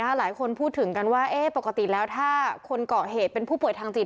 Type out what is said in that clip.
หลายคนพูดถึงกันว่าปกติถ้าคนก่อเหตุเป็นผู้เปิดทางจิต